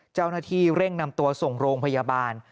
เจ้าหน้าที่เร่งนำตัวส่งโรงพยาบาล